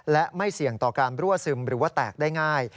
และไม่เสี่ยงต่อการรั่วซึมหรือว่าแตกได้ง่าย